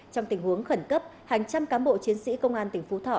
trong tình huống khẩn cấp hàng trăm cán bộ chiến sĩ công an tỉnh phú thọ